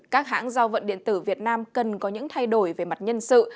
các hãng giao vận điện tử việt nam cần có những thay đổi về mặt nhân sự